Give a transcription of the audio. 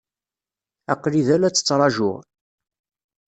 Aql-i da la tt-ttṛajuɣ.